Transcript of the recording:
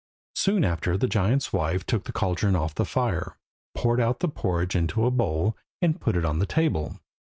Soon after the giant's wife took the caldron off the fire, poured out the porridge into a bowl, and put it on the table.